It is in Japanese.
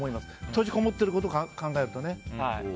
閉じこもっていることを考えると。